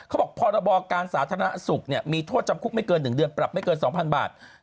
พรบการสาธารณสุขมีโทษจำคุกไม่เกิน๑เดือนปรับไม่เกิน๒๐๐บาท